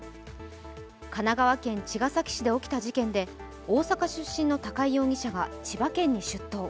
神奈川県茅ヶ崎市で起きた事件で大阪出身の高井容疑者が千葉県に出頭。